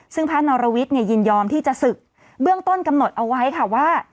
ซึ่งพระนรวิทย์ยินยอมที่จะศึกเบื้องต้นกำหนดเอาไว้ค่ะว่า